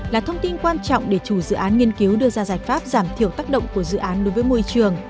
là thông tin quan trọng để chủ dự án nghiên cứu đưa ra giải pháp giảm thiểu tác động của dự án đối với môi trường